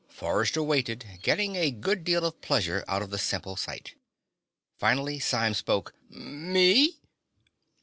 Forrester waited, getting a good deal of pleasure out of the simple sight. Finally Symes spoke. "Me?"